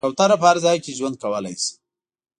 کوتره په هر ځای کې ژوند کولی شي.